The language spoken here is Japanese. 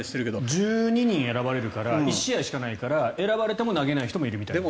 １２人選ばれるから１試合しかないから選ばれても投げない人がいるみたいです。